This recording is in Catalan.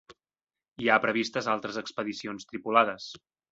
Hi ha previstes altres expedicions tripulades.